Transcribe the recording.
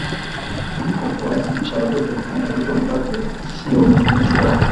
Kuliko kuwalazimisha watoto kufanya vitu ambavyo sio mapenzi yao